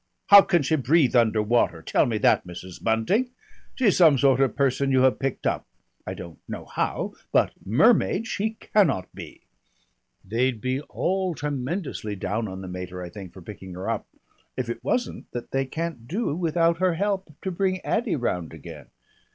How can she breathe under water? Tell me that, Mrs. Bunting. She's some sort of person you have picked up, I don't know how, but mermaid she cannot be.' They'd be all tremendously down on the mater, I think, for picking her up, if it wasn't that they can't do without her help to bring Addy round again.